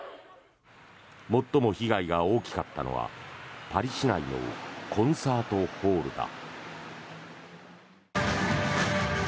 最も被害が大きかったのはパリ市内のコンサートホールだ。